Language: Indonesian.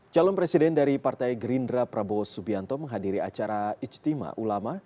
calon presiden dari partai gerindra prabowo subianto menghadiri acara ijtima ulama